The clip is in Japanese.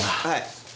はい。